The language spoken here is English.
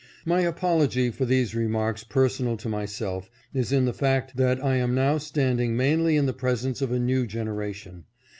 My apology for these remarks personal to myself is in the fact that I am now standing mainly in the presence of a new generation.